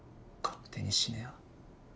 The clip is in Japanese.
勝手に死ねよ。